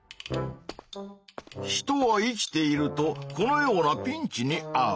人は生きているとこのようなピンチにあう。